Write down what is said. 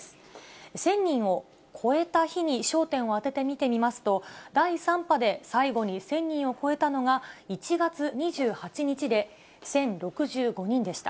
１０００人を超えた日に焦点を当てて見てみますと、第３波で最後に１０００人を超えたのが１月２８日で、１０６５人でした。